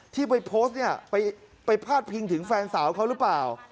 ที่ไปพ้าดพิงถึงแฟนสาวเขาหรือเปล่า